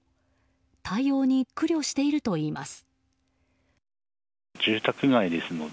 対応に苦慮しているといいます。